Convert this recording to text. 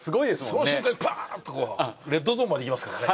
その瞬間にパーッとこうレッドゾーンまで行きますからね。